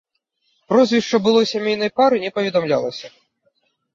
Прозвішча былой сямейнай пары не паведамлялася.